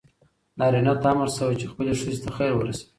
نارینه ته امر شوی چې خپلې ښځې ته خیر ورسوي.